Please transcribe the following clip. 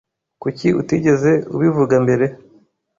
Kuki utigeze ubivuga mbere?